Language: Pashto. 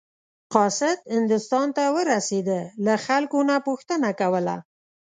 قاصد هندوستان ته ورسېده له خلکو نه پوښتنه کوله.